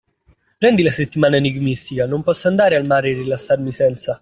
Prendi la settimana enigmistica, non posso andare al mare e rilassarmi senza!